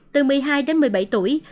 từ một mươi hai đến một mươi bảy tuổi